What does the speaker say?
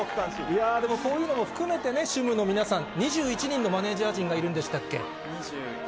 でもそういうのも含めてね、主務の皆さん、２１人のマネージャー陣がいるんでしたっけ？